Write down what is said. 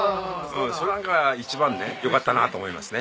それなんかが一番よかったなと思いますね。